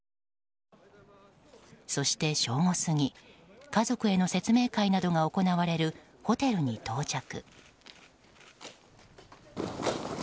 そして、正午過ぎ家族への説明会が行われるホテルに到着。